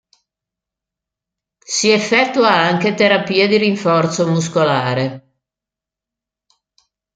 Si effettua anche terapia di rinforzo muscolare.